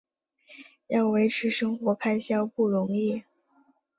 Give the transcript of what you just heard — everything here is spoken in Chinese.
要维持生活开销不容易